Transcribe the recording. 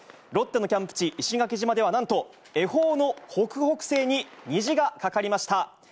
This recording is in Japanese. ロッテのキャンプ地、石垣島ではなんと恵方の北北西に虹が架かりました。